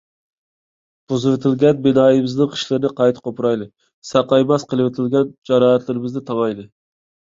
بۇزۇۋېتىلگەن بىنايىمىزنىڭ خىشلىرىنى قايتا قوپۇرايلى، ساقايماس قىلىۋېتىلگەن جاراھەتلىرىمىزنى تاڭايلى.